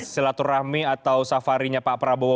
silaturahmi atau safarinya pak prabowo